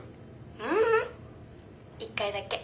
「ううん。１回だけ」